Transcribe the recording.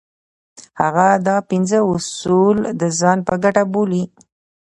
هغه دا پنځه اصول د ځان په ګټه بولي.